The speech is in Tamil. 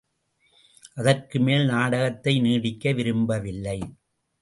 அதற்குமேல் நாடகத்தை நீடிக்க விரும்பவில்லை.